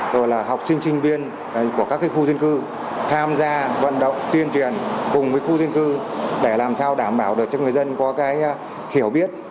rồi là học sinh sinh viên của các khu dân cư tham gia vận động tuyên truyền cùng với khu dân cư để làm sao đảm bảo được cho người dân có cái hiểu biết